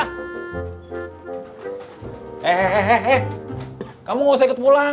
hei kamu nggak usah ikut pulang